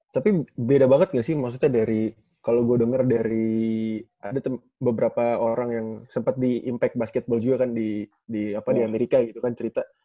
tapi beda banget gak sih maksudnya dari kalau gue denger dari ada beberapa orang yang sempat di impact basketball juga kan di amerika gitu kan cerita